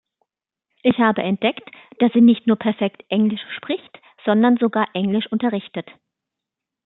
Ich habe entdeckt, dass sie nicht nur perfekt Englisch spricht, sondern sogar Englisch unterrichtet.